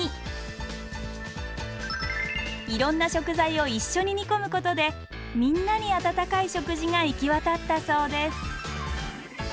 いろんな食材を一緒に煮込むことでみんなにあたたかい食事が行き渡ったそうです。